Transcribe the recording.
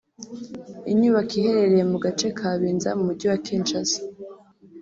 inyubako iherereye mu gace ka Binza mu mujyi wa Kinshasa